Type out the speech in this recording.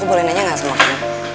ros aku boleh nanya gak sama kamu